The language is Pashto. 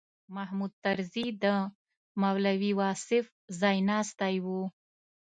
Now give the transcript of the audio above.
محمود طرزي د مولوي واصف ځایناستی و.